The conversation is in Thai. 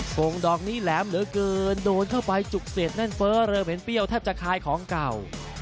โก่งดอกนี้แหลมเหลือเกินโดนเข้าไปจุกเสียดแน่นเฟ้อเริ่มเห็นเปรี้ยวแทบจะคายของเก่า